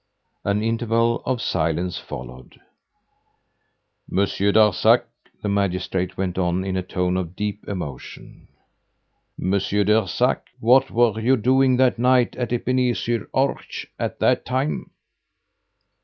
An interval of silence followed. "Monsieur Darzac," the magistrate went on in a tone of deep emotion, "Monsieur Darzac, what were you doing that night, at Epinay sur Orge at that time?"